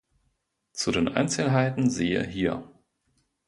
Zu den Einzelheiten siehe: hier.